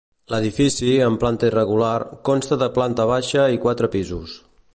L'edifici, amb planta irregular, consta de planta baixa i quatre pisos.